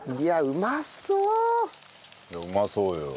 うまそうよ。